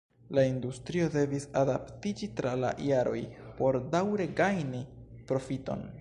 La industrio devis adaptiĝi tra la jaroj por daŭre gajni profiton.